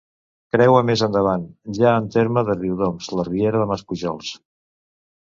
Creua més endavant, ja en terme de Riudoms, la riera de Maspujols.